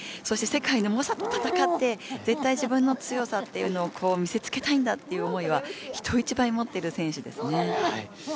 そして、世界の猛者と戦って絶対自分の強さというのを見せつけたいんだという思いは人一倍持っている選手ですね。